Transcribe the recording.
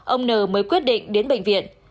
ông n mới quyết định đến bệnh viện